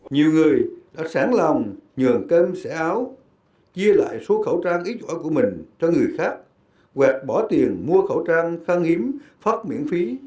nhiều người đã sẵn lòng nhường cơm xẻ áo chia lại số khẩu trang ít giỏ của mình cho người khác hoặc bỏ tiền mua khẩu trang khăn hiếm phát miễn phí